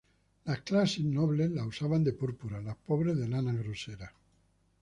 Las clases nobles la usaban de púrpura, los pobres de lana grosera.